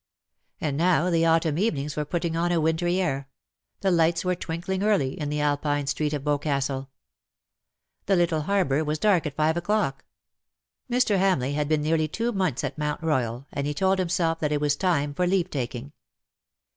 And now the autumn evenings were putting on a wintry air — the lights were twinkling early in the Alpine street of Boscastle. The little harbour was dark at five o^clock. Mr. Hamleigh had been nearly two months at Mount Koyal, and he told himself that it was time for leave taking.